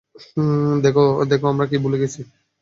দেখ আমরা কি ভুলে গেছি।